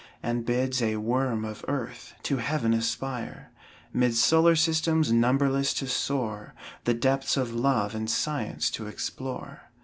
And bids a worm of earth to heaven aspire, Mid solar systems numberless, to soar, The depths of love and science to explore.